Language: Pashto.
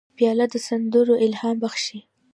پیاله د سندرو الهام بخښي.